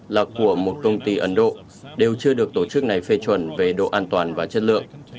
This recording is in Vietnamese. là của một công ty ấn độ đều chưa được tổ chức này phê chuẩn về độ an toàn và chất lượng